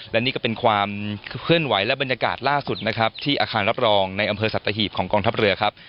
และนี่ก็เป็นความเคลื่อนไหวและบรรยากาศล่าสุดนะครับที่อาคารรับรองในอำเภอสัตหีบของกองทัพเรือครับ